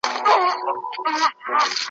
په کاږه نظر چي ګوري زما لیلا ښکلي وطن ته ,